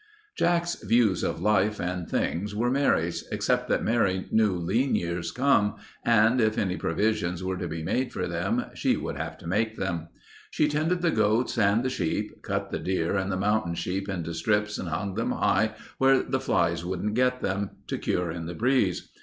Jack's views of life and things were Mary's, except that Mary knew lean years come and if any provisions were to be made for them she would have to make them. She tended the goats and the sheep, cut the deer and the mountain sheep into strips and hung them high, where the flies wouldn't get them, to cure in the breeze.